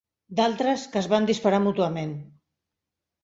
D'altres, que es van disparar mútuament.